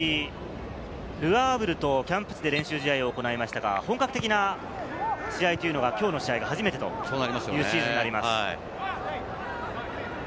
パリ・サンジェルマンも７月の２１日、ル・アーヴルとキャンプ地で練習試合を行いましたが、本格的な試合というのは、きょうの試合が初めてというシーズンになります。